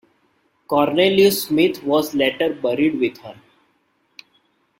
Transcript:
Cornelius Smith was later buried with her.